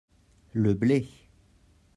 Le blé.